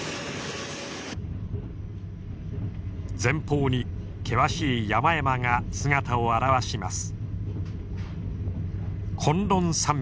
前方に険しい山々が姿を現します。